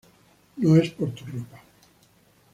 No es por tu ropa.